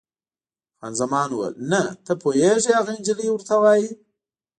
خان زمان وویل: نه، ته پوهېږې، هغه انجلۍ ورته وایي.